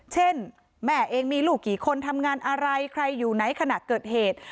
เช่นแม่เองมีลูกกี่คนทำงานอะไรใครอยู่ไหนขณะเกิดเหตุ